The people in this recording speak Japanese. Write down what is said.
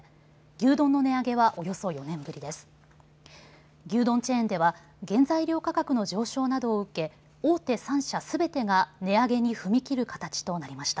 牛丼チェーンでは原材料価格の上昇などを受け大手３社すべてが値上げに踏み切る形となりました。